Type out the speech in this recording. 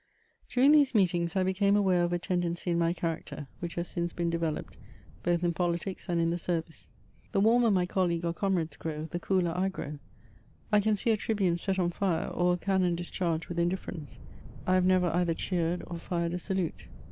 During these meetings, I became aware of a tendency in my character which has since been developed, both in politics and in the service: the warmer my colleague or comrades grow, the cooler I grow ; I can see a tribune set on fire, or a camion discharged with indifference : I have never either cheered or fired a salute.